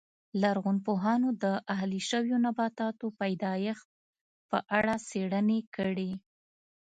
لرغونپوهانو د اهلي شویو نباتاتو پیدایښت په اړه څېړنې کړې